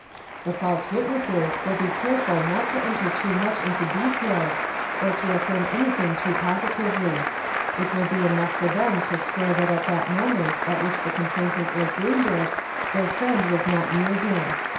The false witnesses will be careful not to enter too much into details or to 102 EXAMINATION OF WITNESSES affirm anything too positively; it will be enough for them to swear that at the moment at which the complainant was wounded, their friend was — not near him.